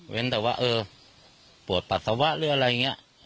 แต่ว่าเออปวดปัสสาวะหรืออะไรอย่างนี้